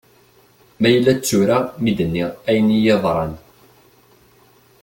Ma yella d tura mi d-nniɣ ayen iyi-yeḍran.